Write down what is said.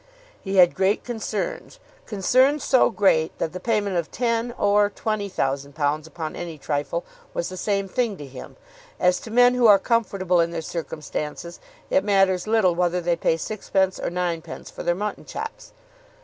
He had great concerns; concerns so great that the payment of ten or twenty thousand pounds upon any trifle was the same thing to him, as to men who are comfortable in their circumstances it matters little whether they pay sixpence or ninepence for their mutton chops.